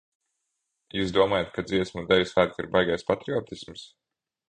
Jūs domājat, ka Dziesmu un Deju svētki ir baigais patriotisms?